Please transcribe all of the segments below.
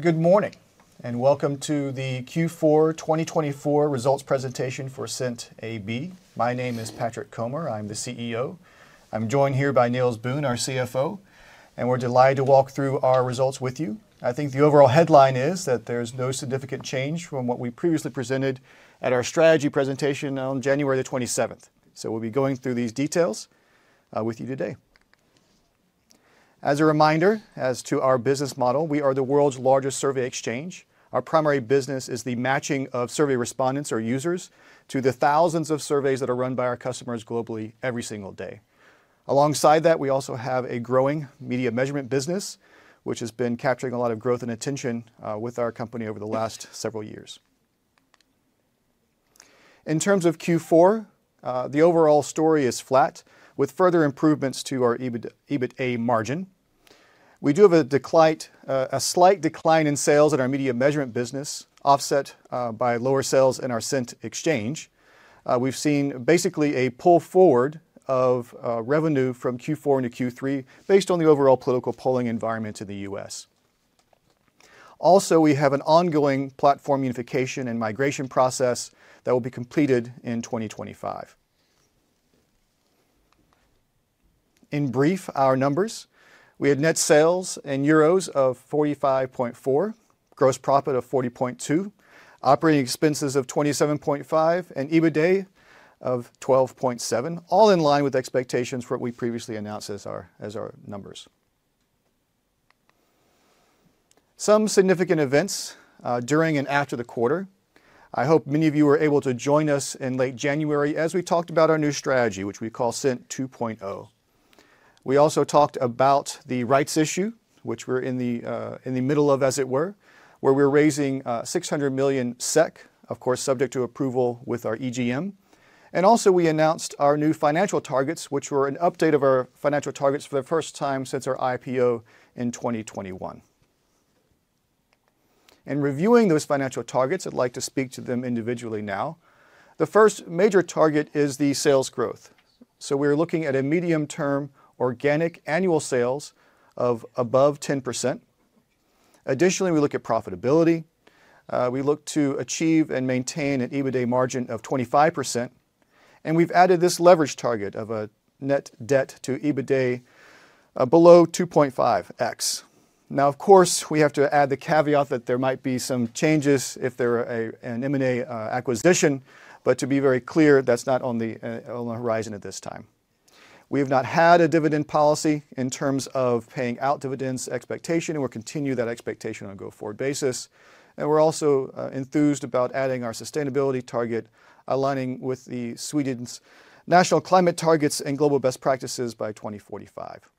Good morning, and welcome to the Q4 2024 results presentation for Ascent AB. My name is Patrick Comer. I'm the CEO. I'm joined here by Niels Boon, our CFO, and we're delighted to walk through our results with you. I think the overall headline is that there's no significant change from what we previously presented at our strategy presentation on January the 27th. We'll be going through these details with you today. As a reminder, as to our business model, we are the world's largest survey exchange. Our primary business is the matching of survey respondents, or users, to the thousands of surveys that are run by our customers globally every single day. Alongside that, we also have a growing media measurement business, which has been capturing a lot of growth and attention with our company over the last several years. In terms of Q4, the overall story is flat, with further improvements to our EBITA margin. We do have a slight decline in sales in our media measurement business, offset by lower sales in our Ascent Exchange. We've seen basically a pull forward of revenue from Q4 into Q3, based on the overall political polling environment in the U.S. Also, we have an ongoing platform unification and migration process that will be completed in 2025. In brief, our numbers: we had net sales in 45.4 million euros, gross profit of 40.2 million, operating expenses of 27.5 million, and EBITA of 12.7 million, all in line with expectations for what we previously announced as our numbers. Some significant events during and after the quarter: I hope many of you were able to join us in late January as we talked about our new strategy, which we call Ascent 2.0. We also talked about the rights issue, which we're in the middle of, as it were, where we're raising 600 million SEK, of course subject to approval with our EGM. We also announced our new financial targets, which were an update of our financial targets for the first time since our IPO in 2021. In reviewing those financial targets, I'd like to speak to them individually now. The first major target is the sales growth. We are looking at a medium-term organic annual sales of above 10%. Additionally, we look at profitability. We look to achieve and maintain an EBITA margin of 25%. We have added this leverage target of a net debt to EBITA below 2.5x. Now, of course, we have to add the caveat that there might be some changes if there are an M&A acquisition, but to be very clear, that's not on the horizon at this time. We have not had a dividend policy in terms of paying out dividends expectation, and we'll continue that expectation on a go-forward basis. We're also enthused about adding our sustainability target, aligning with Sweden's national climate targets and global best practices by 2045.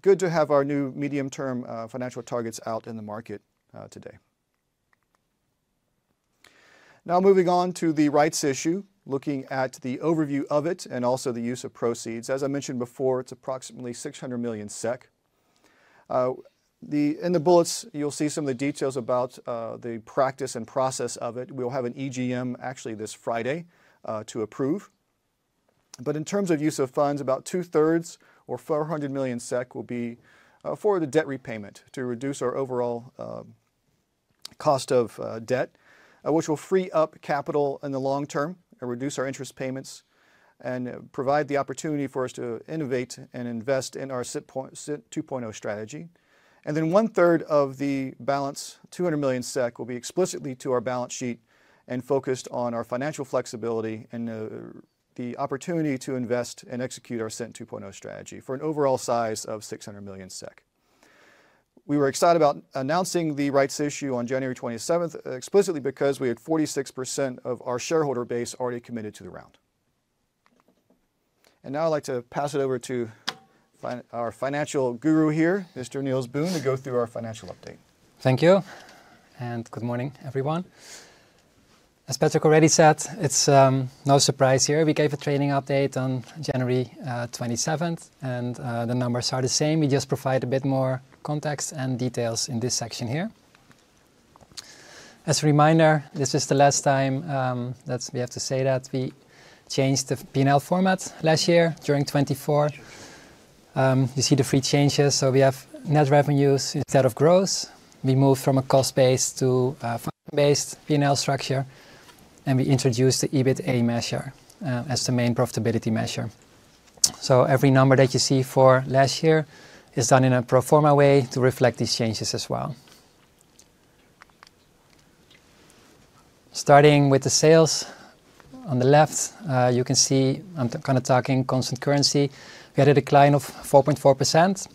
Good to have our new medium-term financial targets out in the market today. Now, moving on to the rights issue, looking at the overview of it and also the use of proceeds. As I mentioned before, it's approximately 600 million SEK. In the bullets, you'll see some of the details about the practice and process of it. We'll have an EGM actually this Friday to approve. In terms of use of funds, about two-thirds or 400 million SEK will be for the debt repayment to reduce our overall cost of debt, which will free up capital in the long term and reduce our interest payments and provide the opportunity for us to innovate and invest in our Ascent 2.0 strategy. One-third of the balance, 200 million SEK, will be explicitly to our balance sheet and focused on our financial flexibility and the opportunity to invest and execute our Ascent 2.0 strategy for an overall size of 600 million SEK. We were excited about announcing the rights issue on January 27th, explicitly because we had 46% of our shareholder base already committed to the round. I would like to pass it over to our financial guru here, Mr. Niels Boon, to go through our financial update. Thank you. Good morning, everyone. As Patrick already said, it's no surprise here. We gave a trading update on January 27, and the numbers are the same. We just provide a bit more context and details in this section here. As a reminder, this is the last time that we have to say that we changed the P&L format last year during 2024. You see the three changes. We have net revenues instead of gross. We moved from a cost-based to a fund-based P&L structure, and we introduced the EBITA measure as the main profitability measure. Every number that you see for last year is done in a pro forma way to reflect these changes as well. Starting with the sales on the left, you can see I'm kind of talking constant currency. We had a decline of 4.4%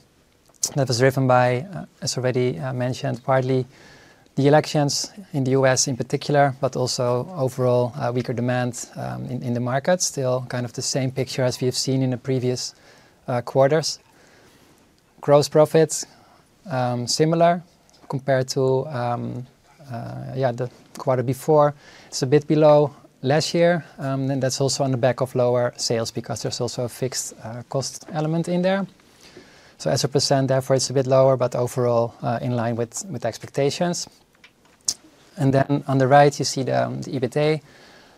that was driven by, as already mentioned, partly the elections in the US in particular, but also overall weaker demand in the market. Still kind of the same picture as we have seen in the previous quarters. Gross profits, similar compared to the quarter before. It's a bit below last year. That's also on the back of lower sales because there's also a fixed cost element in there. As a percent, therefore it's a bit lower, but overall in line with expectations. On the right, you see the EBITA,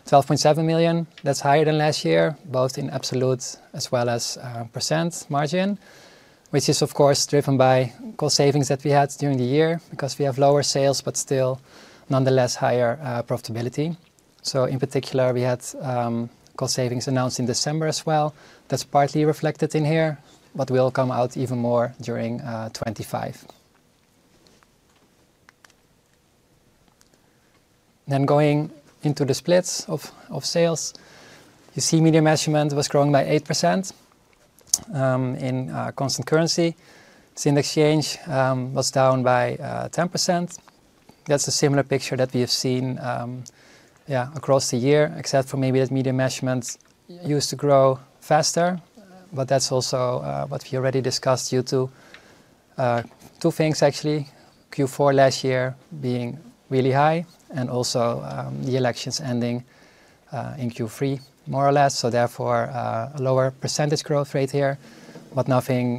12.7 million. That's higher than last year, both in absolute as well as percent margin, which is, of course, driven by cost savings that we had during the year because we have lower sales, but still nonetheless higher profitability. In particular, we had cost savings announced in December as well. That's partly reflected in here, but will come out even more during 2025. Going into the splits of sales, you see media measurement was growing by 8% in constant currency. Ascent Exchange was down by 10%. That's a similar picture that we have seen across the year, except for maybe that media measurement used to grow faster, but that's also what we already discussed due to two things, actually. Q4 last year being really high and also the elections ending in Q3, more or less. Therefore, a lower percentage growth rate here, but nothing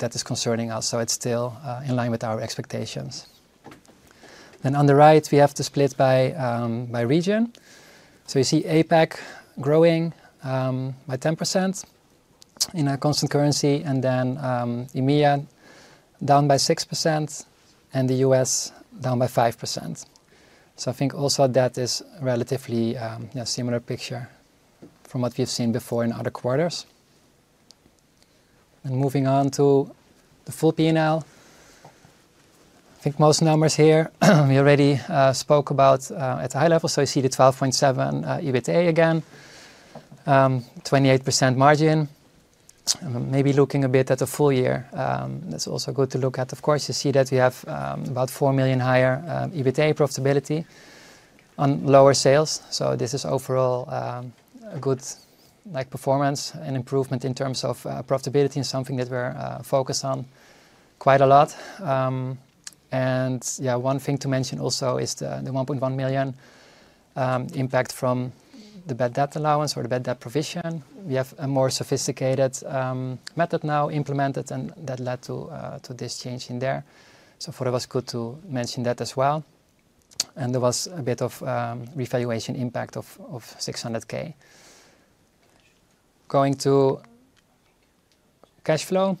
that is concerning us. It's still in line with our expectations. On the right, we have the split by region. You see APAC growing by 10% in constant currency, and then EMEA down by 6% and the US down by 5%. I think also that is a relatively similar picture from what we've seen before in other quarters. Moving on to the full P&L. I think most numbers here we already spoke about at a high level. You see the 12.7 EBITA again, 28% margin. Maybe looking a bit at a full year, that's also good to look at. Of course, you see that we have about 4 million higher EBITA profitability on lower sales. This is overall a good performance and improvement in terms of profitability and something that we're focused on quite a lot. One thing to mention also is the 1.1 million impact from the bad debt allowance or the bad debt provision. We have a more sophisticated method now implemented, and that led to this change in there. I thought it was good to mention that as well. There was a bit of revaluation impact of 600,000. Going to cash flow.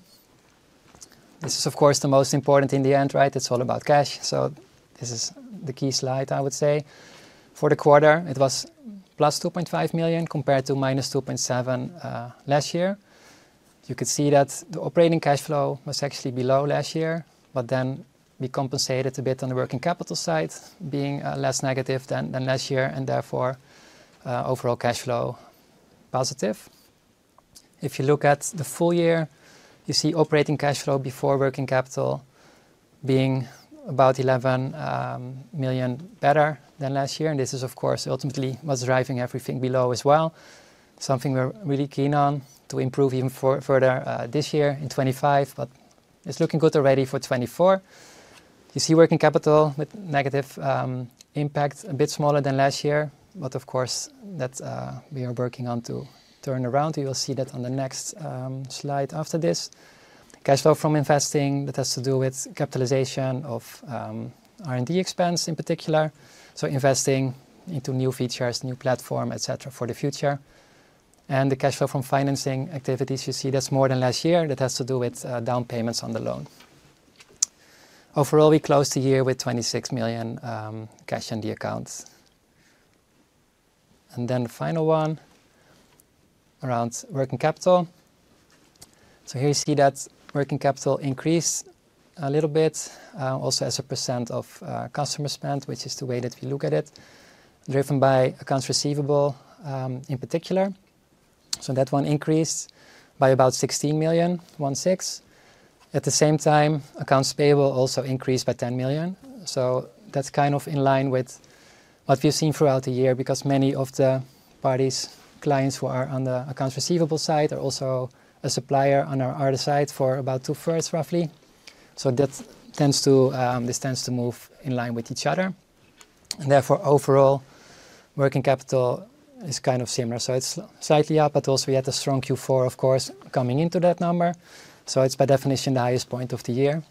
This is, of course, the most important in the end, right? It's all about cash. This is the key slide, I would say. For the quarter, it was plus 2.5 million compared to minus 2.7 million last year. You could see that the operating cash flow was actually below last year, but then we compensated a bit on the working capital side, being less negative than last year, and therefore overall cash flow positive. If you look at the full year, you see operating cash flow before working capital being about 11 million better than last year. This is, of course, ultimately what's driving everything below as well. Something we're really keen on to improve even further this year in 2025, but it's looking good already for 2024. You see working capital with negative impact, a bit smaller than last year, but of course that we are working on to turn around. You will see that on the next slide after this. Cash flow from investing that has to do with capitalization of R&D expense in particular. Investing into new features, new platform, et cetera, for the future. The cash flow from financing activities, you see that's more than last year. That has to do with down payments on the loan. Overall, we closed the year with 26 million cash on the account. The final one around working capital. Here you see that working capital increased a little bit, also as a % of customer spend, which is the way that we look at it, driven by accounts receivable in particular. That one increased by about 1.6 million. At the same time, accounts payable also increased by 10 million. That is kind of in line with what we have seen throughout the year because many of the parties, clients who are on the accounts receivable side are also a supplier on our other side for about two-thirds, roughly. This tends to move in line with each other. Therefore, overall, working capital is kind of similar. It is slightly up, but also we had a strong Q4, of course, coming into that number. It is by definition the highest point of the year.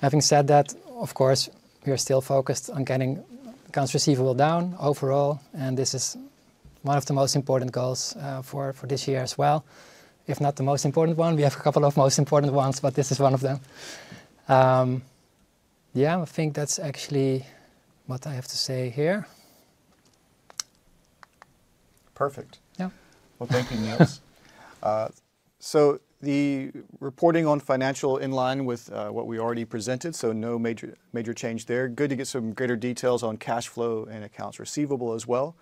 Having said that, of course, we are still focused on getting accounts receivable down overall, and this is one of the most important goals for this year as well. If not the most important one, we have a couple of most important ones, but this is one of them. Yeah, I think that's actually what I have to say here. Perfect. Thank you, Niels. The reporting on financial in line with what we already presented, so no major change there. Good to get some greater details on cash flow and accounts receivable as well.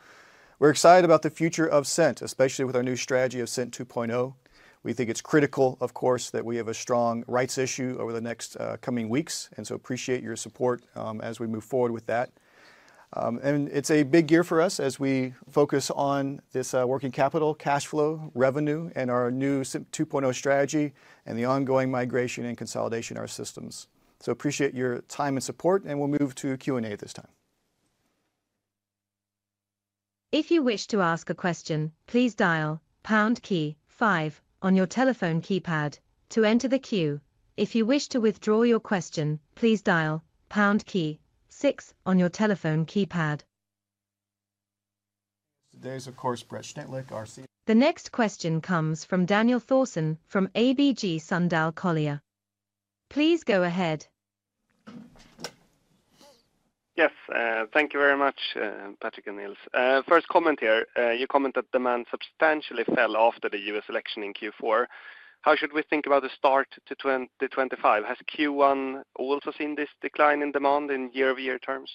We're excited about the future of Cint Group, especially with our new strategy of Ascent 2.0. We think it's critical, of course, that we have a strong rights issue over the next coming weeks, and appreciate your support as we move forward with that. It is a big year for us as we focus on this working capital, cash flow, revenue, and our new Ascent 2.0 strategy and the ongoing migration and consolidation of our systems. Appreciate your time and support, and we'll move to Q&A at this time. If you wish to ask a question, please dial #5 on your telephone keypad to enter the queue. If you wish to withdraw your question, please dial #6 on your telephone keypad. Today's, of course, Brett Schnittlich. The next question comes from Daniel Thorson from ABG Sundal Collier. Please go ahead. Yes, thank you very much, Patrick and Niels. First comment here. You comment that demand substantially fell after the US election in Q4. How should we think about the start to 2025? Has Q1 also seen this decline in demand in year-over-year terms?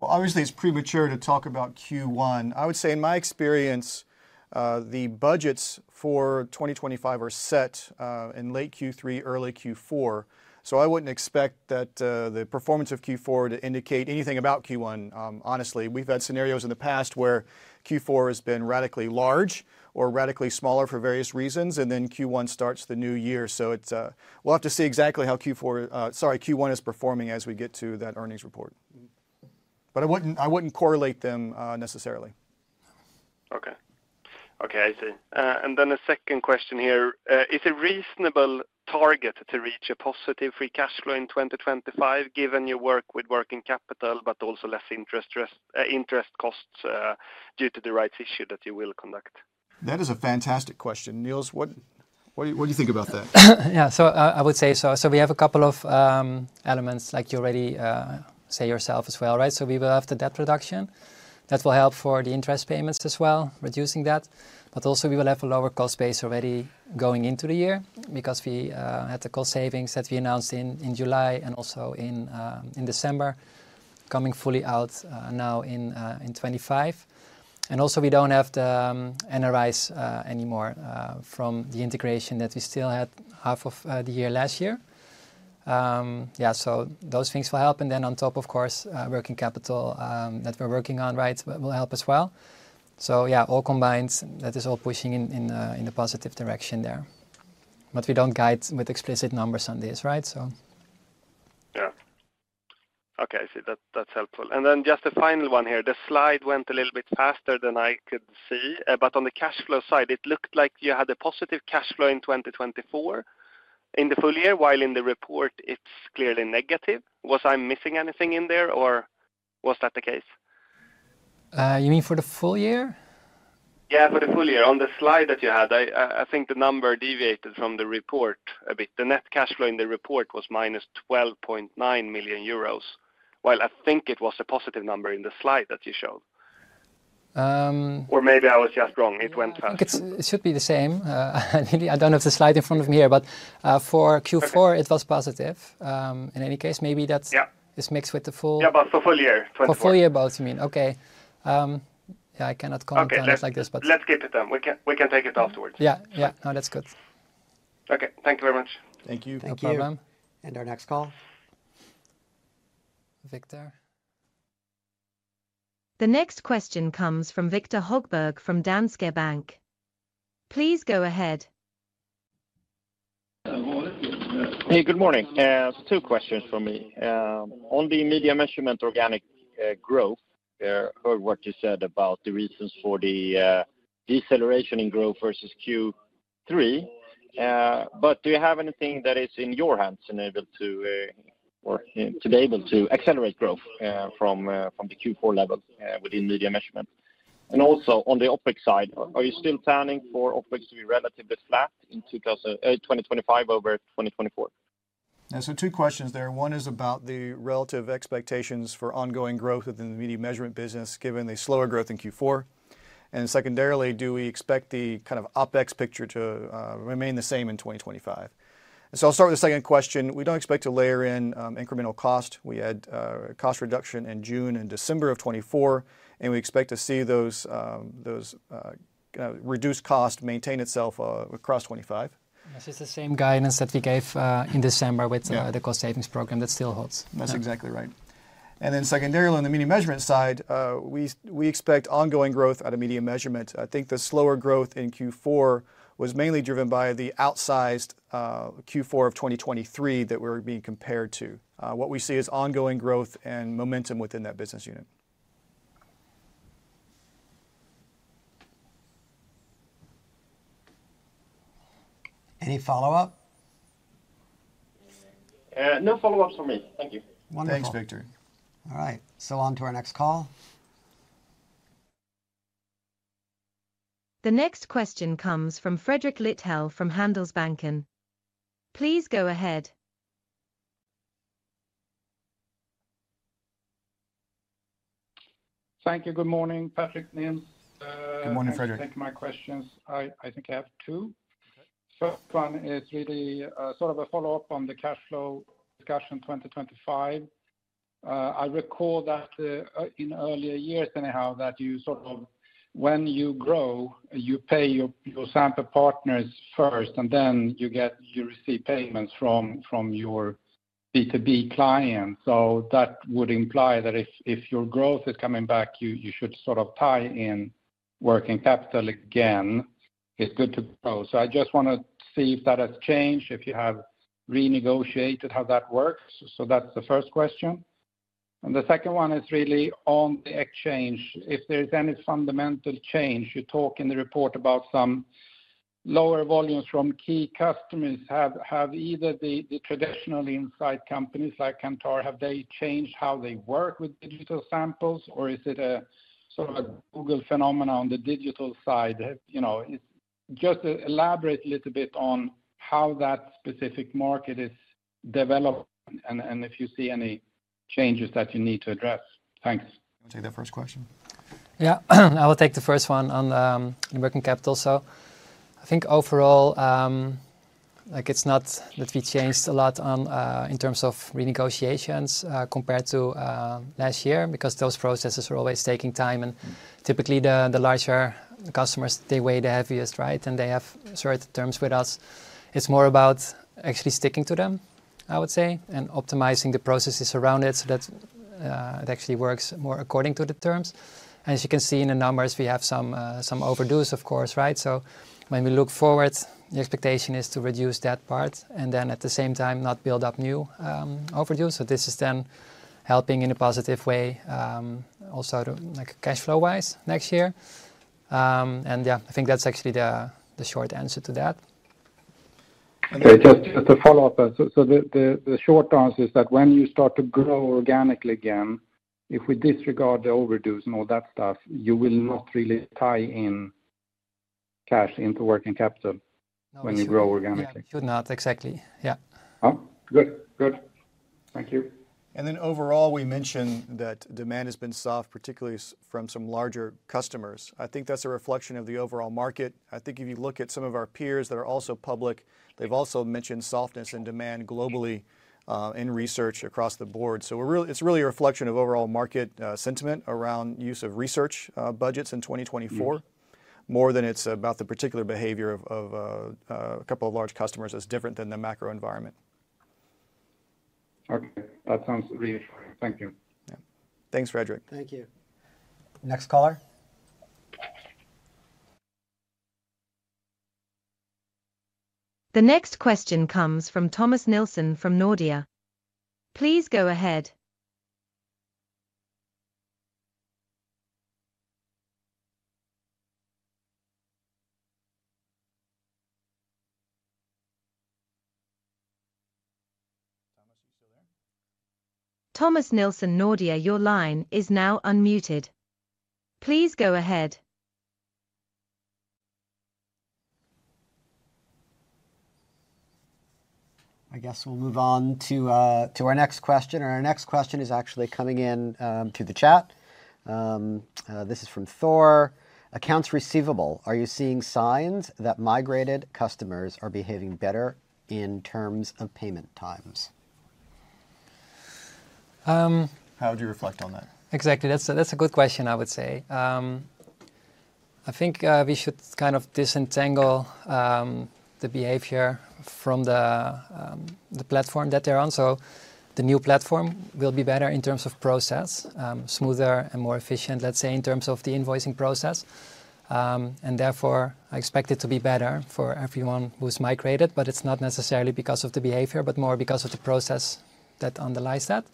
Obviously, it's premature to talk about Q1. I would say in my experience, the budgets for 2025 are set in late Q3, early Q4. I wouldn't expect that the performance of Q4 to indicate anything about Q1, honestly. We've had scenarios in the past where Q4 has been radically large or radically smaller for various reasons, and then Q1 starts the new year. We will have to see exactly how Q1 is performing as we get to that earnings report. I wouldn't correlate them necessarily. Okay. Okay, I see. Is it a reasonable target to reach a positive free cash flow in 2025 given your work with working capital, but also less interest costs due to the rights issue that you will conduct? That is a fantastic question. Niels, what do you think about that? Yeah, I would say so. We have a couple of elements, like you already say yourself as well, right? We will have the debt reduction. That will help for the interest payments as well, reducing that. Also, we will have a lower cost base already going into the year because we had the cost savings that we announced in July and also in December coming fully out now in 2025. Also, we do not have the NRIs anymore from the integration that we still had half of the year last year. Those things will help. On top, of course, working capital that we are working on, right, will help as well. All combined, that is all pushing in the positive direction there. We do not guide with explicit numbers on this, right? Yeah. Okay, I see. That's helpful. Then just a final one here. The slide went a little bit faster than I could see. On the cash flow side, it looked like you had a positive cash flow in 2024 in the full year, while in the report it's clearly negative. Was I missing anything in there or was that the case? You mean for the full year? Yeah, for the full year. On the slide that you had, I think the number deviated from the report a bit. The net cash flow in the report was -12.9 million euros, while I think it was a positive number in the slide that you showed. Or maybe I was just wrong. It went faster. It should be the same. I don't have the slide in front of me here, but for Q4, it was positive. In any case, maybe that's mixed with the full. Yeah, for full year. For full year both, you mean. Okay. Yeah, I cannot comment on things like this, but. Let's keep it then. We can take it afterwards. Yeah. Yeah. No, that's good. Okay. Thank you very much. Thank you. Thank you, Buehlmann. Our next call. Victor. The next question comes from Victor Högberg from Danske Bank. Please go ahead. Hey, good morning. Two questions for me. On the media measurement organic growth, I heard what you said about the reasons for the deceleration in growth versus Q3. Do you have anything that is in your hands to be able to accelerate growth from the Q4 level within media measurement? Also on the OpEx side, are you still planning for OpEx to be relatively flat in 2025 over 2024? Two questions there. One is about the relative expectations for ongoing growth within the media measurement business given the slower growth in Q4. Secondarily, do we expect the kind of OpEx picture to remain the same in 2025? I'll start with the second question. We don't expect to layer in incremental cost. We had cost reduction in June and December of 2024, and we expect to see those reduced costs maintain itself across 2025. This is the same guidance that we gave in December with the cost savings program that still holds. That's exactly right. Secondarily, on the media measurement side, we expect ongoing growth out of media measurement. I think the slower growth in Q4 was mainly driven by the outsized Q4 of 2023 that we're being compared to. What we see is ongoing growth and momentum within that business unit. Any follow-up? No follow-ups from me. Thank you. Thanks, Victor. All right. On to our next call. The next question comes from Fredrik Lithell from Handelsbanken. Please go ahead. Thank you. Good morning, Patrick, Niels. Good morning, Fredrik. I think my questions, I think I have two. The first one is really sort of a follow-up on the cash flow discussion 2025. I recall that in earlier years anyhow, that you sort of, when you grow, you pay your sample partners first, and then you receive payments from your B2B clients. That would imply that if your growth is coming back, you should sort of tie in working capital again. It is good to grow. I just want to see if that has changed, if you have renegotiated how that works. That is the first question. The second one is really on the exchange. If there is any fundamental change, you talk in the report about some lower volumes from key customers. Have either the traditional inside companies like Kantar, have they changed how they work with digital samples, or is it a sort of a Google phenomenon on the digital side? Just elaborate a little bit on how that specific market is developed and if you see any changes that you need to address. Thanks. Take the first question. Yeah, I will take the first one on the working capital. I think overall, it's not that we changed a lot in terms of renegotiations compared to last year because those processes are always taking time. Typically, the larger customers, they weigh the heaviest, right? They have certain terms with us. It's more about actually sticking to them, I would say, and optimizing the processes around it so that it actually works more according to the terms. As you can see in the numbers, we have some overdues, of course, right? When we look forward, the expectation is to reduce that part and at the same time, not build up new overdues. This is then helping in a positive way also cash flow-wise next year. I think that's actually the short answer to that. Just a follow-up. The short answer is that when you start to grow organically again, if we disregard the overdues and all that stuff, you will not really tie in cash into working capital when you grow organically. You would not exactly. Yeah. Good. Good. Thank you. Overall, we mentioned that demand has been soft, particularly from some larger customers. I think that's a reflection of the overall market. I think if you look at some of our peers that are also public, they've also mentioned softness in demand globally in research across the board. It is really a reflection of overall market sentiment around use of research budgets in 2024, more than it's about the particular behavior of a couple of large customers as different than the macro environment. Okay. That sounds really fine. Thank you. Thanks, Frederick. Thank you. Next caller. The next question comes from Thomas Nielsen from Nordea. Please go ahead. Thomas, are you still there? Thomas Nielsen Nordea, your line is now unmuted. Please go ahead. I guess we'll move on to our next question. Our next question is actually coming in through the chat. This is from Thor. Accounts receivable, are you seeing signs that migrated customers are behaving better in terms of payment times? How would you reflect on that? Exactly. That's a good question, I would say. I think we should kind of disentangle the behavior from the platform that they're on. The new platform will be better in terms of process, smoother and more efficient, let's say, in terms of the invoicing process. Therefore, I expect it to be better for everyone who's migrated, but it's not necessarily because of the behavior, but more because of the process that underlies that.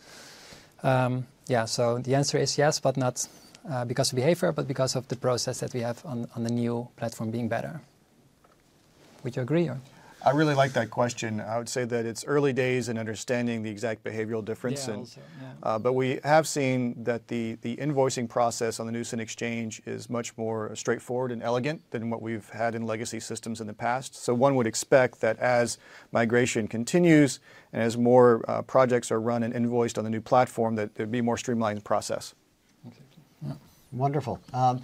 Yeah. The answer is yes, but not because of behavior, but because of the process that we have on the new platform being better. Would you agree or? I really like that question. I would say that it's early days in understanding the exact behavioral difference. We have seen that the invoicing process on the Cint Exchange is much more straightforward and elegant than what we've had in legacy systems in the past. One would expect that as migration continues and as more projects are run and invoiced on the new platform, there would be a more streamlined process. Wonderful. Thomas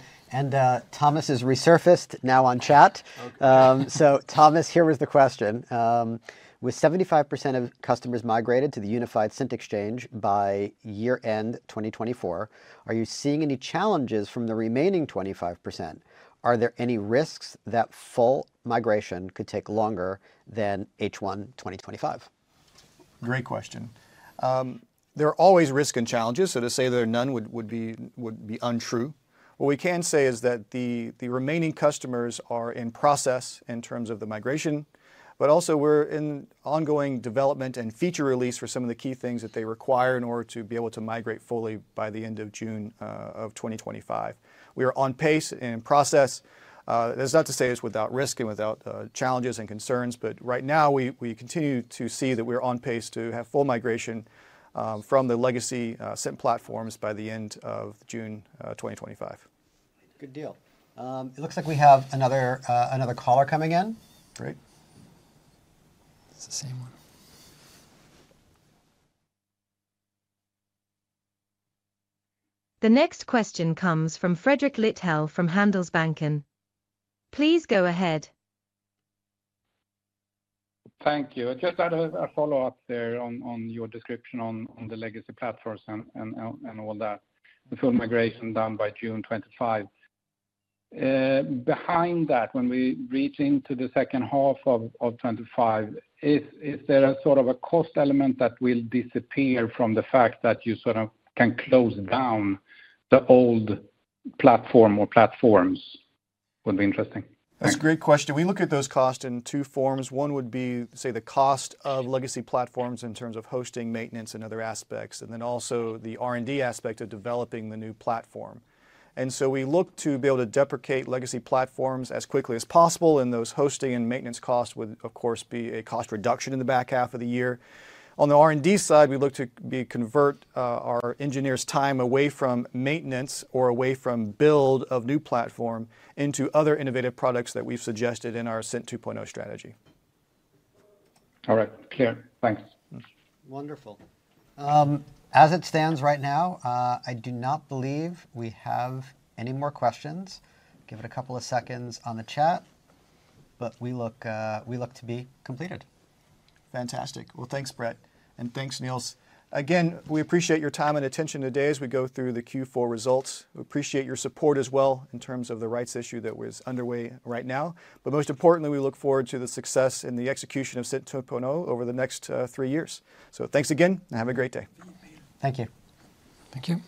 has resurfaced now on chat. Thomas, here was the question. With 75% of customers migrated to the unified Syn exchange by year-end 2024, are you seeing any challenges from the remaining 25%? Are there any risks that full migration could take longer than H1 2025? Great question. There are always risks and challenges. To say there are none would be untrue. What we can say is that the remaining customers are in process in terms of the migration, but also we are in ongoing development and feature release for some of the key things that they require in order to be able to migrate fully by the end of June 2025. We are on pace and in process. That is not to say it is without risk and without challenges and concerns, but right now we continue to see that we are on pace to have full migration from the legacy sync platforms by the end of June 2025. Good deal. It looks like we have another caller coming in. Great. It's the same one. The next question comes from Fredrik Lithell from Handelsbanken. Please go ahead. Thank you. Just a follow-up there on your description on the legacy platforms and all that, the full migration done by June 2025. Behind that, when we reach into the second half of 2025, is there a sort of a cost element that will disappear from the fact that you sort of can close down the old platform or platforms? Would be interesting. That's a great question. We look at those costs in two forms. One would be, say, the cost of legacy platforms in terms of hosting, maintenance, and other aspects, and then also the R&D aspect of developing the new platform. We look to be able to deprecate legacy platforms as quickly as possible, and those hosting and maintenance costs would, of course, be a cost reduction in the back half of the year. On the R&D side, we look to convert our engineers' time away from maintenance or away from build of new platform into other innovative products that we've suggested in our Ascent 2.0 strategy. All right. Clear. Thanks. Wonderful. As it stands right now, I do not believe we have any more questions. Give it a couple of seconds on the chat, but we look to be completed. Fantastic. Thanks, Brett. Thanks, Niels. Again, we appreciate your time and attention today as we go through the Q4 results. We appreciate your support as well in terms of the rights issue that is underway right now. Most importantly, we look forward to the success in the execution of Ascent 2.0 over the next three years. Thanks again and have a great day. Thank you. Thank you.